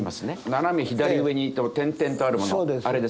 斜め左上に点々とあるものあれですね。